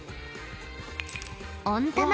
［温玉］